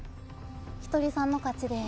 ひとりさんの勝ちです。